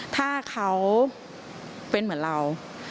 ถ้าเขาเป็นเหมือนเรา